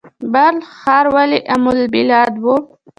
بلخ ښار ولې ام البلاد و؟